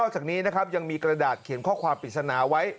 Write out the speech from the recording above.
จากนี้นะครับยังมีกระดาษเขียนข้อความปริศนาไว้